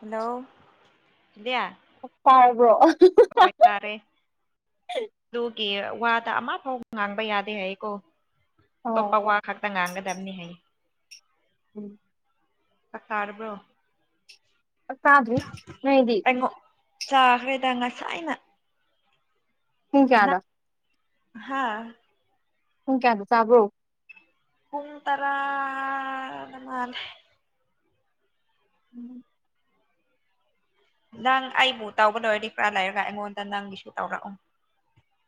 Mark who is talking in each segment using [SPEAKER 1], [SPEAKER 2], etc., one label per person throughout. [SPEAKER 1] Hello ꯏꯕꯦ
[SPEAKER 2] ꯄꯥꯏꯕ꯭ꯔꯣ꯫
[SPEAKER 1] ꯑꯈꯣꯏ ꯇꯥꯔꯦ ꯑꯗꯨꯒꯤ ꯋꯥꯗ ꯑꯃ ꯐꯥꯎ ꯉꯥꯡꯕ ꯌꯥꯗꯦ ꯍꯥꯏꯌꯦꯀꯣ ꯑꯇꯣꯞꯄ
[SPEAKER 2] ꯑꯣ
[SPEAKER 1] ꯋꯥ ꯈꯛꯇ ꯉꯥꯡꯒꯗꯕꯅꯤ ꯍꯥꯏꯌꯦ꯫
[SPEAKER 2] ꯎꯝ [unintelligible]
[SPEAKER 1] ꯆꯥꯛ ꯆꯥꯔꯕ꯭ꯔꯣ
[SPEAKER 2] ꯆꯥꯛ ꯆꯥꯥꯗ꯭ꯔꯤ ꯅꯣꯏꯗꯤ
[SPEAKER 1] ꯑꯩꯉꯣꯟ ꯆꯥꯈ꯭ꯔꯦꯗ ꯉꯁꯥꯏꯅ
[SPEAKER 2] ꯄꯨꯡ ꯀꯌꯥꯗ
[SPEAKER 1] ꯍꯥꯥ
[SPEAKER 2] ꯄꯨꯡ ꯀꯌꯥꯗ ꯆꯕ꯭ꯔꯣ
[SPEAKER 1] ꯄꯨꯡ ꯇꯔꯥ ꯅꯍꯥꯟ
[SPEAKER 2] ꯎꯝ
[SPEAKER 1] ꯅꯪ ꯑꯩꯕꯨ ꯇꯧꯕ ꯂꯣꯏꯔꯗꯤ ꯈꯔꯥ ꯂꯩꯔꯒ ꯑꯩꯉꯣꯟꯗ ꯅꯪꯒꯤꯁꯨ ꯇꯧꯔꯛꯑꯣ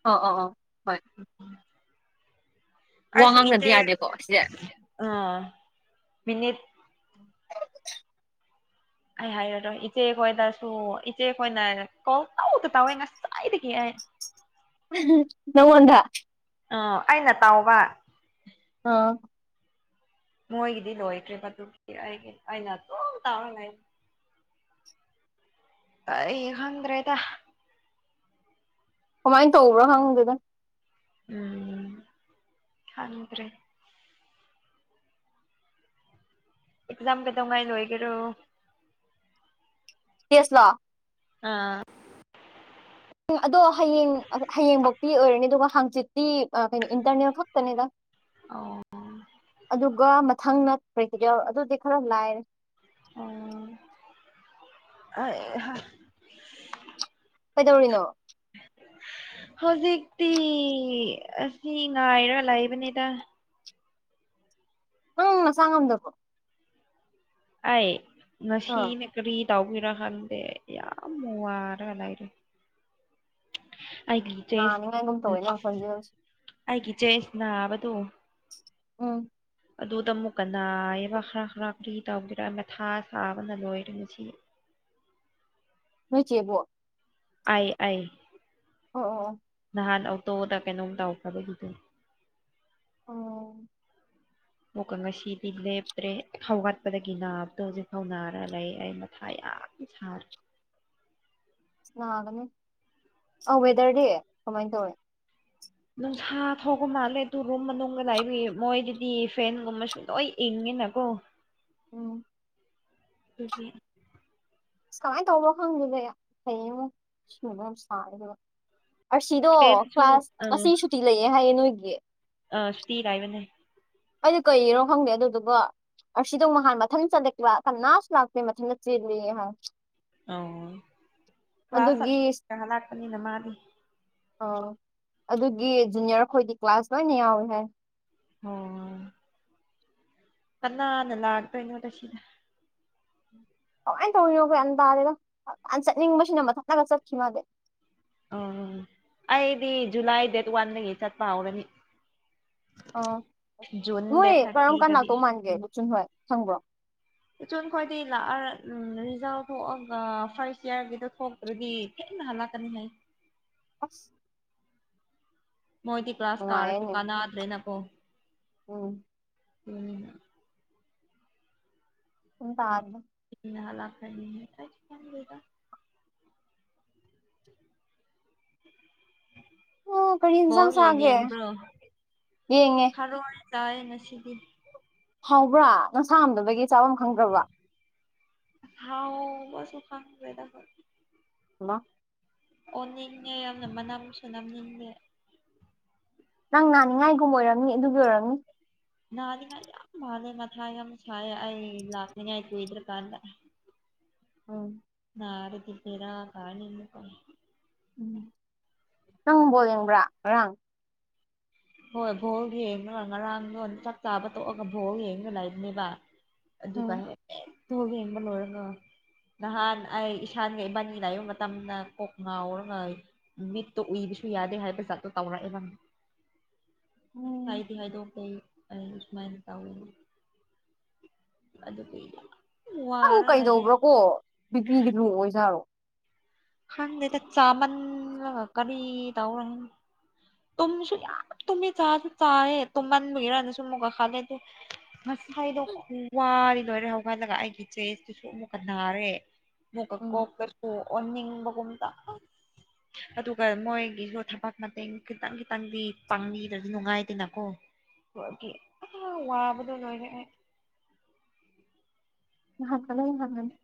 [SPEAKER 2] ꯑꯣ ꯑꯣ ꯑꯣ
[SPEAKER 1] ꯎꯝ [inaudible]
[SPEAKER 2] ꯋꯥ
[SPEAKER 1] ꯑꯩꯁꯨ
[SPEAKER 2] ꯉꯥꯡꯅꯗꯤ
[SPEAKER 1] ꯏꯇꯦ
[SPEAKER 2] ꯌꯥꯗꯦꯀꯣ ꯁꯤꯁꯦ
[SPEAKER 1] ꯑ ꯃꯤꯅꯤꯠ
[SPEAKER 2] ꯎꯝ [inaudible]
[SPEAKER 1] ꯑꯩ ꯍꯥꯏꯔꯔꯣꯏ ꯏꯆꯦ ꯈꯣꯏꯗꯁꯨ ꯏꯆꯦ ꯈꯣꯏꯅ ꯀꯣꯜ ꯇꯧꯗ ꯇꯧꯋꯦ ꯉꯁꯥꯏꯗꯒꯤ ꯑꯩ
[SPEAKER 2] ꯅꯪꯉꯣꯟꯗ
[SPEAKER 1] ꯑ ꯑꯩꯅ ꯇꯥꯎꯕ
[SPEAKER 2] ꯑꯥ
[SPEAKER 1] ꯃꯣꯏꯒꯤꯗꯤ ꯂꯣꯏꯈ꯭ꯔꯦꯕ ꯑꯗꯨꯗꯤ ꯑꯩꯒꯤ ꯑꯩꯅ ꯑꯗꯨꯝ ꯇꯧꯔ ꯂꯩ ꯑꯩ ꯈꯪꯗ꯭ꯔꯦꯗ
[SPEAKER 2] ꯀꯃꯥꯏꯅ ꯇꯧꯕ꯭ꯔꯣ ꯈꯪꯗꯦꯗ
[SPEAKER 1] ꯎꯝ ꯈꯪꯗ꯭ꯔꯦ ꯑꯦꯛꯖꯥꯝ ꯀꯩꯗꯧꯉꯥꯏ ꯂꯣꯏꯒꯦꯔꯣ
[SPEAKER 2] ꯇꯦꯁ ꯂꯣ
[SPEAKER 1] ꯑꯝ
[SPEAKER 2] ꯑꯗꯣ ꯍꯌꯦꯡ ꯍꯌꯦꯡꯐꯧꯛꯇꯤ ꯑꯣꯏꯔꯅꯤ ꯑꯗꯨꯒ ꯍꯥꯡꯆꯤꯠ ꯇꯤ ꯀꯩꯅꯣ ꯏꯟꯇꯔꯅꯦꯠ ꯈꯛꯇꯅꯤꯗ
[SPEAKER 1] ꯑꯣ
[SPEAKER 2] ꯑꯗꯨꯒ ꯃꯊꯪꯅ ꯄ꯭ꯔꯦꯛꯇꯤꯒꯦꯟ ꯑꯗꯨꯗꯤ ꯈꯔ ꯂꯥꯏꯑꯦ
[SPEAKER 1] ꯎꯝ ꯍꯩꯍꯥ
[SPEAKER 2] ꯀꯩꯗꯧꯔꯤꯅꯣ
[SPEAKER 1] ꯍꯧꯖꯤꯛꯇꯤ ꯑꯁꯤ ꯉꯥꯏꯔ ꯂꯩꯥꯕꯅꯤꯗ
[SPEAKER 2] ꯅꯪ ꯅꯥꯁꯥ ꯉꯝꯗꯕ꯭ꯔꯣ
[SPEAKER 1] ꯑꯩ
[SPEAKER 2] ꯑꯥ
[SPEAKER 1] ꯉꯁꯤꯅ ꯀꯔꯤ ꯇꯧꯕꯩꯔꯥ ꯈꯪꯗꯦ ꯌꯥꯝ ꯋꯥꯔꯒ ꯂꯩꯕꯅꯦ ꯑꯩꯒꯤ ꯆꯦꯁ
[SPEAKER 2] ꯅꯥꯅꯤꯡꯉꯥꯏꯒꯨꯝ ꯇꯧꯋꯦ ꯅꯪ ꯈꯣꯟꯖꯦꯜꯁꯦ
[SPEAKER 1] ꯑꯩꯒꯤ ꯆꯦꯁꯅꯕꯗꯨ
[SPEAKER 2] ꯎꯝ
[SPEAKER 1] ꯑꯗꯨꯗ ꯑꯃꯨꯛꯀ ꯅꯥꯏꯌꯦꯕ ꯈꯔ ꯈꯔ ꯀꯔꯤ ꯇꯧꯒꯦꯔ ꯃꯊꯥ ꯁꯥꯕꯅ ꯂꯣꯏꯔꯦ ꯉꯁꯤ
[SPEAKER 2] ꯅꯣꯏ ꯆꯦꯕꯨ
[SPEAKER 1] ꯑꯩ ꯑꯩ
[SPEAKER 2] ꯑꯣ ꯑꯣ
[SPEAKER 1] ꯅꯍꯥꯟ ꯑꯣꯇꯣꯗ ꯀꯩꯅꯣꯝ ꯇꯥꯎꯈ꯭ꯔꯕꯒꯤꯗ
[SPEAKER 2] ꯑꯣ
[SPEAKER 1] ꯑꯃꯨꯛꯀ ꯉꯁꯤꯗꯤ ꯂꯦꯞꯇ꯭ꯔꯦ ꯈꯥꯎꯒꯠꯄꯗꯒꯤ ꯅꯥꯕꯗꯣ ꯍꯧꯖꯤꯛꯐꯥꯎ ꯅꯥꯔ ꯂꯩ ꯑꯩ ꯃꯊꯥ ꯌꯥꯝ ꯁꯥꯔꯦ
[SPEAKER 2] ꯅꯥꯒꯅꯤ ꯑꯧ ꯋꯦꯗꯔꯗꯤ ꯀꯃꯥꯏꯅ ꯇꯧꯋꯤ
[SPEAKER 1] ꯅꯨꯡꯁꯥ ꯊꯣꯛꯄ ꯃꯥꯜꯂꯦ ꯑꯗꯨ ꯔꯨꯝ ꯃꯅꯨꯡꯗ ꯂꯥꯛꯏꯕ ꯃꯣꯏꯒꯣꯗꯤ ꯐꯦꯟꯒꯨꯝꯕꯁꯨ ꯂꯣꯏ ꯏꯪꯉꯦꯅꯀꯣ
[SPEAKER 2] ꯎꯝ
[SPEAKER 1] ꯎ [inaudible]
[SPEAKER 2] ꯑꯁ ꯀꯃꯥꯏꯅ ꯇꯧꯕꯅꯣ ꯈꯪꯗꯦꯗ [unintelligible] ꯁꯥꯔꯦ ꯑꯗꯨꯒ ꯑꯁꯤꯗꯣ
[SPEAKER 1] ꯐꯦꯟꯁꯨ
[SPEAKER 2] ꯀ꯭ꯂꯥꯁ ꯑꯁꯤ ꯁꯨꯇꯤ ꯂꯩꯌꯦ ꯍꯥꯏꯌꯦ ꯅꯣꯏꯒꯤ
[SPEAKER 1] ꯑ ꯁꯤ [unintelligible]
[SPEAKER 2] ꯑꯩ ꯀꯩꯒꯤꯅꯣ ꯈꯪꯗꯦ ꯑꯗꯨꯗꯨꯒꯣ ꯑꯁꯤꯗꯣ ꯅꯍꯥꯟ ꯃꯊꯟ ꯆꯠꯂꯦ ꯀꯅꯥꯁꯨ ꯂꯥꯛꯇꯦ ꯃꯊꯟꯇ ꯆꯦꯜꯂꯤ ꯍꯥꯏꯕꯅꯤ
[SPEAKER 1] ꯑ ꯀ꯭ꯂꯥꯁ
[SPEAKER 2] ꯑꯗꯨꯒꯤ
[SPEAKER 1] ꯆꯠ ꯂꯥꯛꯄꯅꯤꯅ ꯃꯥꯗꯤ
[SPEAKER 2] ꯑꯥꯎ ꯑꯗꯨꯒꯤ ꯖꯨꯅꯤꯌꯔ ꯈꯣꯏꯗꯤ ꯀ꯭ꯂꯥꯁ ꯂꯣꯏꯅ ꯌꯥꯎꯏꯤ ꯍꯥꯏ
[SPEAKER 1] ꯑꯣ ꯀꯅꯥꯅ ꯂꯥꯛꯇꯣꯏꯅꯣꯗ ꯁꯤꯗ
[SPEAKER 2] ꯀꯃꯥꯏꯅ ꯇꯧꯔꯤꯅꯣ ꯈꯣꯏ ꯒ꯭ꯌꯥꯟ ꯇꯥꯗꯦꯗꯣ ꯉꯥꯟꯇꯅ ꯆꯠꯅꯤꯡꯕꯁꯤꯅ ꯃꯊꯟꯇꯒ ꯆꯠꯈꯤ ꯃꯥꯗꯤ
[SPEAKER 1] ꯎꯝ ꯑꯩꯗꯤ ꯖꯨꯂꯥꯏ ꯗꯦꯠ ꯋꯥꯟꯗꯒꯤ ꯆꯠꯄ ꯍꯧꯔꯅꯤ
[SPEAKER 2] ꯑ
[SPEAKER 1] ꯖꯨꯟ
[SPEAKER 2] ꯅꯣꯏ
[SPEAKER 1] ꯗꯦꯠ
[SPEAKER 2] ꯀꯔꯝ ꯀꯥꯟ
[SPEAKER 1] ꯊꯥꯔꯇꯤꯗꯗꯤ
[SPEAKER 2] ꯂꯥꯛꯇꯧ ꯃꯥꯟꯒꯦ ꯂꯨꯆꯨꯟ ꯍꯣꯏ ꯈꯪꯕ꯭ꯔꯣ
[SPEAKER 1] ꯑꯆꯣꯟ ꯈꯣꯏꯗꯤ ꯂꯥꯛꯑ ꯔꯤꯖꯜ ꯊꯣꯛꯑꯒ ꯐꯥꯔꯁ ꯏꯌꯥꯔꯒꯤꯗ ꯊꯣꯛ ꯑꯗꯨꯗꯤ ꯊꯦꯡꯅ ꯍꯜꯂꯛꯀꯅꯤ ꯍꯥꯏꯌꯦ
[SPEAKER 2] ꯑꯁ
[SPEAKER 1] ꯃꯣꯏꯗꯤ ꯀ꯭ꯂꯥꯁ ꯀꯥꯔꯁꯨ ꯀꯥꯟꯅꯗ꯭ꯔꯦ ꯅꯀꯣ
[SPEAKER 2] ꯑꯣ
[SPEAKER 1] ꯎꯝ
[SPEAKER 2] [unintelligible]
[SPEAKER 1] [unintelligible] ꯂꯥꯛꯈ꯭ꯔꯗꯤ ꯑꯩꯖꯨ ꯈꯪꯗꯦꯗ
[SPEAKER 2] ꯑꯣ ꯀꯔꯤ
[SPEAKER 1] ꯕꯣꯜ
[SPEAKER 2] ꯌꯦꯟꯁꯥꯡ
[SPEAKER 1] ꯌꯦꯡ
[SPEAKER 2] ꯆꯥꯒꯦ
[SPEAKER 1] ꯌꯦꯡꯕ꯭ꯔꯣ
[SPEAKER 2] ꯌꯦꯡꯉꯦ
[SPEAKER 1] ꯊꯔꯣꯏ ꯆꯥꯏꯑꯦ ꯉꯁꯤꯗꯤ
[SPEAKER 2] ꯍꯥꯎꯕ꯭ꯔꯥ ꯅꯁꯥ ꯉꯝꯗꯕꯒꯤ ꯆꯥꯐꯝ ꯈꯪꯗ꯭ꯔꯕ
[SPEAKER 1] ꯍꯥꯎꯕꯁꯨ ꯈꯪꯗ꯭ꯔꯦꯗ ꯈꯣꯏ
[SPEAKER 2] ꯏ [unintelligible]
[SPEAKER 1] ꯑꯣꯟꯅꯤꯡꯉꯦ ꯌꯥꯝꯅ ꯃꯅꯝꯁꯨ ꯅꯝꯅꯤꯡꯗꯦ
[SPEAKER 2] ꯅꯪ ꯅꯥꯅꯤꯡꯉꯥꯏꯒꯨꯝꯕ ꯑꯣꯏꯔꯝꯅꯤ ꯑꯗꯨꯒꯤ ꯑꯣꯏꯔꯝꯅꯤ
[SPEAKER 1] ꯅꯅꯤꯉꯥꯏ ꯌꯥꯝ ꯃꯥꯜꯂꯦ ꯃꯊꯥ ꯌꯥꯝ ꯁꯥꯏꯑꯦ ꯑꯩ ꯂꯥꯛꯅꯤꯡꯉꯥꯏ ꯀꯨꯏꯗ꯭ꯔ ꯀꯥꯟꯗ
[SPEAKER 2] ꯎꯝ
[SPEAKER 1] ꯅꯔꯗꯤ ꯕꯦꯔꯥ ꯀꯥꯅꯤꯅꯦ ꯀꯣ
[SPEAKER 2] ꯎꯝ ꯅꯪ ꯕꯣꯜ ꯌꯦꯡꯕ꯭ꯔꯥ ꯉꯔꯥꯡ
[SPEAKER 1] ꯍꯣꯏ ꯚꯣꯜ ꯌꯦꯡꯉꯒ ꯉꯔꯥꯡꯗꯣ ꯆꯥꯛ ꯆꯥꯕ ꯇꯣꯛꯑꯒ ꯚꯣꯜ ꯌꯦꯡꯉꯒ ꯂꯩꯕꯅꯦꯕ ꯑꯗꯨ
[SPEAKER 2] ꯎꯝ
[SPEAKER 1] ꯀꯥꯏꯅ [unintelligible] ꯌꯦꯡꯕ ꯂꯣꯏꯔꯒ ꯅꯍꯥꯟ ꯑꯩ ꯏꯁꯥꯟꯒ ꯏꯕꯥꯟꯅꯤ ꯂꯥꯛꯏꯕ ꯃꯇꯝꯗ ꯀꯣꯛ ꯉꯥꯎꯔꯒ ꯃꯤꯠꯇꯣ ꯎꯏꯕꯁꯨ ꯌꯥꯗꯦ ꯍꯥꯏꯕ ꯖꯥꯠꯇꯣ ꯇꯧꯔꯛꯑꯦꯕ
[SPEAKER 2] ꯎꯝ
[SPEAKER 1] ꯍꯥꯏꯗꯤ ꯍꯥꯏꯗꯣꯛ ꯀꯩ ꯑꯩ ꯁꯨꯃꯥꯏꯅ ꯇꯧꯋꯤꯗꯣ ꯑꯗꯨꯗ ꯀꯨꯏꯔꯦꯕ
[SPEAKER 2] ꯅꯪ ꯀꯩꯗꯧꯕ꯭ꯔꯣ ꯀꯣ ꯕꯤ ꯄꯤꯒ ꯂꯦ ꯑꯣꯏꯖꯥꯠꯂꯣ
[SPEAKER 1] ꯈꯪꯗꯦꯗ ꯆꯥꯃꯟꯂꯒ ꯀꯔꯤ ꯇꯧꯔ ꯈꯪꯗꯦ ꯇꯨꯝꯁꯨ ꯌꯥꯝ ꯇꯨꯝꯃꯦ ꯆꯥꯁꯨ ꯆꯥꯌꯦ ꯇꯨꯝꯃꯟꯕꯩꯔ ꯑꯃꯨꯛꯀꯁꯨ ꯈꯜꯂꯦ ꯉꯁꯥꯏꯗꯣ ꯈꯨꯋꯥꯔꯤ ꯂꯣꯏꯔꯦ ꯍꯧꯒꯜꯂꯒ ꯑꯩꯒꯤ ꯆꯦꯁꯇꯨꯁꯨ ꯑꯃꯨꯛꯀ ꯅꯥꯔꯦ ꯑꯃꯨꯛꯀꯥ
[SPEAKER 2] ꯎꯝ
[SPEAKER 1] ꯀꯣꯛꯇꯁꯨ ꯑꯣꯅꯤꯡꯕꯒꯨꯝꯅ ꯑꯁ ꯑꯗꯨꯒ ꯃꯣꯏꯒꯤꯁꯨ ꯊꯕꯛ ꯃꯇꯦꯡ ꯈꯤꯇꯪ ꯈꯤꯇꯪꯗꯤ ꯄꯥꯡꯕꯤꯗ꯭ꯔꯗꯤ ꯅꯨꯡꯉꯥꯏꯇꯦꯅꯀꯣ [unintelligible] ꯑꯥ ꯋꯥꯕꯗꯣ ꯂꯣꯏꯔꯦ ꯑꯩ
[SPEAKER 2] ꯅꯍꯥꯟ [unintelligible]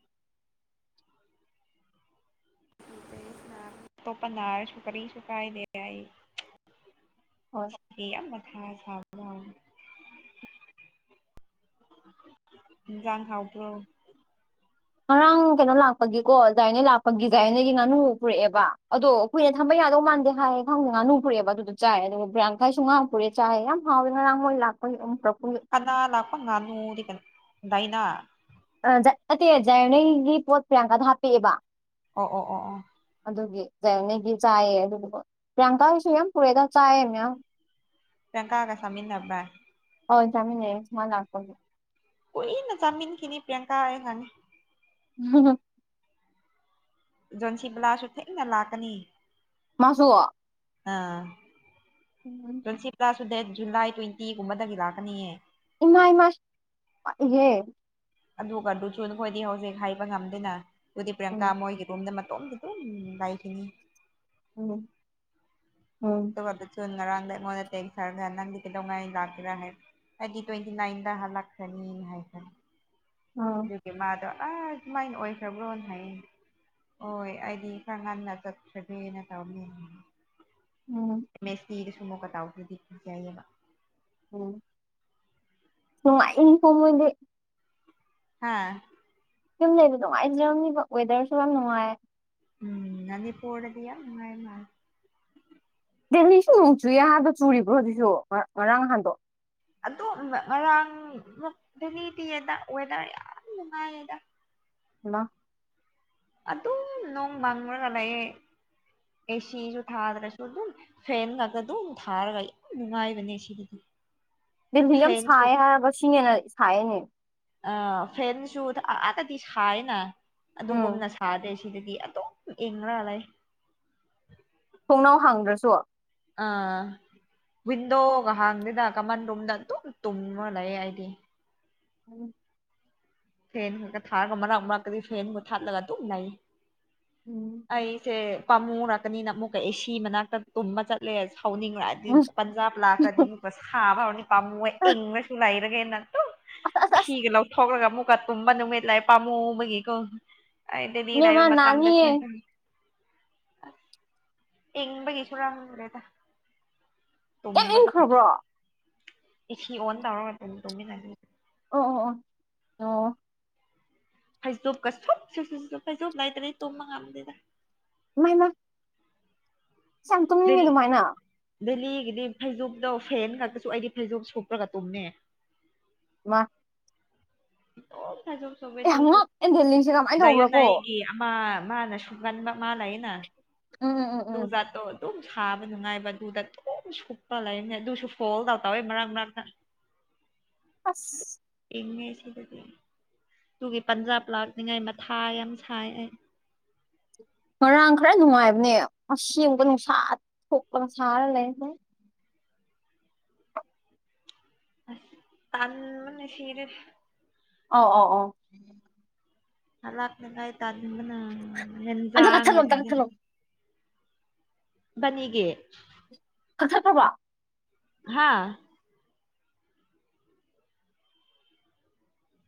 [SPEAKER 1] ꯇꯣꯞꯄꯥ ꯅꯔꯁꯨ ꯀꯔꯤꯁꯨ ꯀꯥꯏꯗꯦ ꯑꯩ
[SPEAKER 2] ꯍꯣꯏ
[SPEAKER 1] [unintelligible] ꯌꯥꯝ ꯃꯊꯥ ꯁꯥꯕ ꯋꯥꯅꯦ ꯏꯟꯖꯥꯡ ꯍꯥꯎꯕ꯭ꯔꯣ
[SPEAKER 2] ꯉꯔꯥꯡ ꯀꯩꯅꯣ ꯂꯥꯛꯄꯒꯤꯀꯣ ꯗꯥꯥꯏ ꯅꯦ ꯂꯥꯛꯄꯒꯤ ꯖꯥꯏ ꯅꯦꯒꯤ ꯉꯥꯅꯨ ꯄꯨꯔꯛꯑꯦꯕ ꯑꯗꯣ ꯀꯨꯏꯅ ꯊꯝꯕ ꯌꯥꯗꯧ ꯃꯥꯟꯗꯦ ꯍꯥꯏꯌꯦ ꯈꯪꯗꯦ ꯉꯥꯅꯨ ꯄꯨꯔꯛꯑꯦꯕ ꯑꯗꯨꯗ ꯆꯥꯏ ꯑꯗꯨꯒ ꯄ꯭ꯔꯤꯌꯥꯡꯀꯥꯏꯁꯨ ꯉꯥ ꯄꯨꯔꯛꯑꯦ ꯆꯥꯏꯌꯦ ꯌꯥꯝ ꯍꯥꯎꯋꯦ ꯉꯥꯔꯥꯡ ꯃꯣꯏ ꯂꯥꯛ ꯄꯩ ꯎꯝ ꯄꯨꯔꯛꯄꯒꯤ
[SPEAKER 1] ꯀꯅꯥ ꯂꯥꯛꯄ ꯉꯥꯅꯨꯗꯤ ꯀ ꯗꯥꯏꯅ
[SPEAKER 2] ꯑ ꯖꯥꯏ ꯑꯠꯇꯦ ꯖꯥꯏꯌꯣꯅꯩꯒꯤ ꯄꯣꯠ ꯄ꯭ꯔꯤꯌꯥꯡꯀꯗ ꯍꯥꯞꯄꯥꯛ ꯑꯦ ꯕꯥ
[SPEAKER 1] ꯑꯣ ꯑꯣ ꯑꯣ ꯑꯣ
[SPEAKER 2] ꯑꯗꯨꯒꯤ ꯖꯥꯏꯑꯣꯅꯦꯒꯤ ꯆꯥꯏꯌꯦ ꯑꯗꯨꯗꯨꯒ ꯄ꯭ꯔꯤꯌꯥꯡꯀꯥꯒꯤꯁꯨ ꯌꯥꯝ ꯄꯨꯔꯦꯗ ꯆꯥꯏꯌꯦ ꯃꯌꯥꯝ
[SPEAKER 1] ꯄ꯭ꯔꯤꯌꯥꯡꯀꯥꯒ ꯆꯥꯃꯤꯟꯅꯕ꯭ꯔꯥ
[SPEAKER 2] ꯑꯣꯟ ꯆꯃꯤꯟꯅꯩꯌꯦ ꯃꯥ ꯂꯥꯛꯄꯒꯤ
[SPEAKER 1] ꯀꯨꯏꯅ ꯆꯥꯃꯤꯟꯈꯤꯅꯤ ꯄ꯭ꯔꯤꯌꯥꯡꯀꯥ ꯑꯩ ꯈꯪꯉꯦ
[SPEAKER 2] [unintelligible]
[SPEAKER 1] ꯖꯣꯟꯁꯤꯕꯂꯥꯁꯨ ꯊꯦꯡꯅ ꯂꯥꯛꯀꯅꯤ
[SPEAKER 2] ꯃꯥꯁꯨ
[SPEAKER 1] ꯑ ꯖꯣꯟꯁꯤꯞ ꯇ꯭ꯔꯁꯨ ꯗꯦꯠ ꯖꯨꯂꯥꯏ ꯇꯣꯏꯟꯇꯤ ꯒꯨꯝꯕꯗꯒꯤ ꯂꯥꯛꯀꯅꯤꯌꯦ
[SPEAKER 2] ꯏꯃꯥꯏ ꯏꯃꯥꯏ ꯄꯥꯛꯏꯖꯦ
[SPEAKER 1] ꯑꯗꯨꯒꯗꯨꯁꯨ ꯅꯈꯣꯏꯗꯤ ꯍꯧꯖꯤꯛ ꯍꯥꯏꯕ ꯉꯝꯗꯦꯅ ꯑꯗꯨꯗꯤ ꯄ꯭ꯔꯤꯌꯥꯡꯀꯥ
[SPEAKER 2] ꯎꯝ
[SPEAKER 1] ꯃꯣꯏꯒꯤ ꯔꯨꯝꯗ ꯃꯇꯣꯝ ꯗꯨꯝ ꯂꯩꯥꯈꯤꯅꯤ
[SPEAKER 2] ꯎꯝ ꯎꯝ
[SPEAKER 1] ꯗꯨꯒ ꯗꯨꯠꯁꯨꯟ ꯉꯔꯥꯡꯗ ꯑꯩꯩꯉꯦꯟꯗ ꯇꯦꯝꯁ ꯊꯥꯔꯝꯅ ꯅꯪꯗꯤ ꯀꯩꯗꯩꯉꯩ ꯂꯥꯛꯒꯦꯔ ꯍꯥꯏ ꯑꯗꯤ ꯇꯣꯏꯇꯤ ꯅꯥꯏꯟꯗ ꯍꯜꯂꯛꯈ꯭ꯔꯅꯤ ꯍꯥꯏꯕ
[SPEAKER 2] ꯎꯝ
[SPEAKER 1] ꯑꯗꯨꯒꯤ ꯃꯥꯗꯣ ꯑ ꯃꯥꯏꯅ ꯑꯣꯏꯈ꯭ꯔꯕ꯭ꯔꯣ ꯍꯥꯏꯌꯦ ꯑꯣꯏ ꯑꯩꯗꯤ ꯈꯔ ꯉꯟꯅ ꯆꯠꯈ꯭ꯔꯒ꯭ꯔꯦꯅ ꯇꯧꯃꯤ
[SPEAKER 2] ꯎꯝ
[SPEAKER 1] ꯃꯦꯁꯤꯒꯁꯨ ꯃꯨꯛꯀꯇꯥꯎꯈꯔꯗꯤ ꯌꯥꯏꯑꯕ
[SPEAKER 2] ꯎꯝ ꯅꯨꯉꯥꯏꯀꯣ ꯃꯣꯏꯗꯤ
[SPEAKER 1] ꯍꯥꯥ
[SPEAKER 2] ꯌꯨꯝ ꯂꯩꯕ ꯅꯨꯡꯉꯥꯏꯖꯔꯝꯅꯤꯕ ꯋꯦꯗꯔꯁꯨ ꯌꯥꯝ ꯅꯨꯡꯉꯥꯏ
[SPEAKER 1] ꯎꯝ ꯅꯥꯟꯅꯤ ꯄꯣꯔꯗꯗꯤ ꯌꯥꯝ ꯅꯨꯉꯥꯏ ꯃꯥ
[SPEAKER 2] ꯗꯦꯜꯂꯤꯁꯨ ꯅꯨꯡ ꯆꯨꯌꯥꯗꯣ ꯆꯨꯔꯤꯕ꯭ꯔꯣ ꯍꯧꯖꯤꯛꯁꯨ ꯉꯥ ꯉꯥꯔꯥꯡ ꯉꯍꯥꯟꯗꯣ
[SPEAKER 1] ꯑꯗꯣꯝ ꯉꯥ ꯉꯔꯥꯡꯃꯨꯛ ꯗꯦꯂꯤꯇꯤꯑꯦꯗ ꯋꯦꯗꯔ ꯌꯥꯝ ꯅꯨꯡꯉꯥꯏꯌꯦꯗ
[SPEAKER 2] ꯍꯜꯂꯣ
[SPEAKER 1] ꯑꯗꯨꯝ ꯅꯣꯡ ꯃꯪꯔꯒ ꯂꯩꯌꯦ ꯑꯦꯁꯤꯁꯨ ꯊꯥꯗ꯭ꯔꯁꯨ ꯑꯗꯨꯝ ꯐꯦꯟꯉꯛꯇ ꯑꯗꯨ ꯊꯥꯔꯒ ꯌꯥꯝ ꯅꯨꯡꯉꯥꯏꯕꯅꯦ ꯁꯤꯗꯗꯤ
[SPEAKER 2] ꯗꯦꯜꯍꯤ ꯌꯥꯝ
[SPEAKER 1] ꯐꯦꯟꯁꯨ
[SPEAKER 2] ꯁꯥꯏ ꯍꯥꯏꯔꯒ ꯁꯤꯅ ꯍꯦꯟ ꯁꯥꯏꯌꯦꯅꯦ
[SPEAKER 1] ꯑ ꯐꯦꯠꯁꯨꯗ ꯑꯥꯗꯗꯤ ꯁꯥꯏꯅ
[SPEAKER 2] ꯎꯝ
[SPEAKER 1] ꯑꯗꯨꯒꯨꯝꯅ ꯁꯥꯗꯦ‌ ꯁꯤ ꯁꯤꯗꯗꯤ ꯑꯗꯨꯝ ꯏꯪꯔꯥ ꯂꯩ
[SPEAKER 2] ꯊꯣꯡꯅꯥꯎ ꯍꯥꯡꯗ꯭ꯔꯁꯨ
[SPEAKER 1] ꯑ ꯋꯤꯟꯗꯣꯒ ꯍꯥꯡꯗꯦꯗ ꯀꯃꯟ ꯔꯨꯝꯗ ꯑꯗꯨꯝ ꯇꯨꯝꯃ ꯂꯩꯌꯦ ꯑꯩꯗꯤ
[SPEAKER 2] ꯎꯝ
[SPEAKER 1] ꯐꯦꯟ ꯈꯛꯇ ꯊꯥꯔꯒ ꯃꯔꯛ ꯃꯔꯛꯇꯗꯤ ꯐꯦꯟꯒꯨꯝꯕ ꯊꯥꯠꯂꯒ ꯑꯗꯨꯝ ꯂꯩ
[SPEAKER 2] ꯎꯝ
[SPEAKER 1] ꯑꯩꯁꯦ ꯄꯥꯝꯃꯨꯔꯛꯀꯅꯤꯅ ꯑꯃꯨꯛꯀ ꯑꯦ ꯁꯤ ꯃꯅꯥꯛꯇ ꯇꯨꯝꯕ ꯆꯠꯂꯦ ꯍꯥꯎꯅꯤꯡꯔꯛꯑ ꯕꯤꯟ ꯄꯟꯖꯥꯞ ꯂꯥꯛꯈꯔꯗꯤ ꯃꯨꯛꯀ ꯁꯥꯕ ꯍꯧꯔꯅꯤ ꯄꯥꯃꯨꯑꯦ
[SPEAKER 2] ꯑꯁ
[SPEAKER 1] ꯏꯪꯔꯁꯨ ꯂꯩꯔꯒꯦꯅ ꯇꯨꯝ
[SPEAKER 2] ꯑꯁ ꯑꯁ
[SPEAKER 1] ꯐꯤꯒ ꯂꯧꯊꯣꯛꯂꯒ ꯑꯃꯨꯛꯀ ꯇꯨꯝꯕ ꯅꯨꯃꯤꯠ ꯂꯥꯏ ꯄꯥꯝꯃꯨꯕꯒꯤꯀꯣ ꯑꯩꯗꯗꯤ
[SPEAKER 2] ꯏꯕꯦꯝꯃ
[SPEAKER 1] [unintelligible] ꯃꯇꯝꯗ
[SPEAKER 2] ꯅꯥꯅꯤꯌꯦ
[SPEAKER 1] [unintelligible] ꯏꯤꯡꯕꯒꯤꯁꯨ [unintelligible]
[SPEAKER 2] ꯌꯥꯝ
[SPEAKER 1] ꯇꯨꯝꯕꯗ
[SPEAKER 2] ꯏꯪꯈ꯭ꯔꯕ꯭ꯔꯣ
[SPEAKER 1] ꯏ ꯁꯤ ꯑꯣꯟ ꯇꯧꯔꯒ ꯇꯨꯝ ꯇꯨꯝꯃꯤꯟꯅꯁꯤ
[SPEAKER 2] ꯑꯣ ꯑꯣ ꯑꯣ ꯅꯣꯋꯣ
[SPEAKER 1] ꯐꯩꯖꯨꯞꯀ ꯁꯨꯞ ꯁꯨ ꯁꯨ ꯁꯨꯞꯄꯦ ꯐꯩꯖꯣꯨꯞ ꯂꯩꯇ꯭ꯔꯦ ꯇꯨꯝꯕ ꯉꯝꯗꯦꯗ
[SPEAKER 2] ꯃꯩꯃ ꯁ ꯇꯨꯝꯅꯤꯡꯉꯦ ꯑꯗꯨꯃꯥꯏꯅ
[SPEAKER 1] ꯗꯦꯜꯂꯤꯒꯤꯗꯤ ꯐꯩꯖꯨꯞꯇꯣ ꯐꯦꯟ ꯉꯛꯇꯁꯨ ꯑꯩꯗꯤ ꯐꯩꯖꯨꯞ ꯁꯨꯞꯄ꯭ꯔꯒ ꯇꯨꯝꯃꯦ
[SPEAKER 2] ꯃꯥ
[SPEAKER 1] [unintelligible] [unintelligible]
[SPEAKER 2] ꯑꯦ ꯉꯛꯑꯦ ꯗꯦꯂꯤꯁꯤ ꯌꯥꯝ
[SPEAKER 1] ꯖꯩꯌꯣ ꯅꯩꯒꯤ ꯑꯃ ꯃꯥꯅ ꯁꯨꯒꯟꯕ ꯃꯥ ꯂꯩꯌꯦꯅ
[SPEAKER 2] ꯎꯝ ꯎꯝ ꯎꯝ ꯎꯝ
[SPEAKER 1] ꯇꯨꯖꯥꯠꯇꯣ ꯑꯗꯨꯝ ꯁꯥꯕ ꯅꯨꯡꯉꯥꯏꯕ ꯑꯗꯨꯗ ꯑꯗꯨꯝ ꯁꯨꯞꯄ ꯂꯩꯕꯅꯦ ꯑꯗꯨꯁꯨ ꯐꯣꯜꯗ ꯇꯧꯋꯦ ꯃꯔꯛ ꯃꯔꯛꯇ [inaudible]
[SPEAKER 2] ꯑꯥꯁ
[SPEAKER 1] ꯏꯤꯡꯉꯦ ꯁꯤꯗꯗꯤ ꯇꯨꯒꯤ ꯄꯟꯖꯥꯕ ꯂꯥꯛꯅꯤꯡꯉꯥꯏ ꯃꯊꯥ ꯌꯥꯝ ꯁꯥꯏ ꯑꯩ
[SPEAKER 2] ꯉꯔꯥꯡ ꯈꯔ ꯅꯨꯡꯉꯥꯏꯕꯅꯦ ꯑꯁꯦꯡꯕ ꯅꯨꯡꯁꯥ ꯊꯣꯛꯂꯒ ꯁꯥꯔ ꯂꯩꯔꯦ
[SPEAKER 1] ꯑꯥꯁ ꯇꯟꯕꯅ ꯁꯤꯔꯦ
[SPEAKER 2] ꯑꯣ ꯑꯣ ꯑꯣ
[SPEAKER 1] ꯍꯂꯛꯅꯤꯡꯉꯥꯏ ꯇꯟꯕꯅ
[SPEAKER 2] ꯑꯗꯨ ꯈꯛꯇ ꯀꯛꯊꯠꯂꯣ
[SPEAKER 1] [unintelligible] ꯕꯅꯤꯒꯤ
[SPEAKER 2] ꯀꯛꯊꯠꯈ꯭ꯔꯕꯣ
[SPEAKER 1] ꯍꯥꯥ